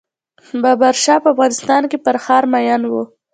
بابر شاه په افغانستان کې پر ښار مین و.